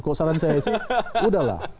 kalau saran saya sih udahlah